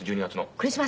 １２月の。